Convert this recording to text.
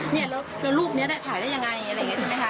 เนี่ยแล้วรูปนี้ถ่ายได้ยังไงอะไรอย่างนี้ใช่ไหมคะ